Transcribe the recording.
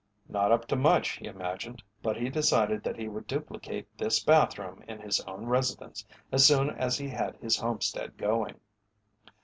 Not up to much, he imagined, but he decided that he would duplicate this bathroom in his own residence as soon as he had his homestead going.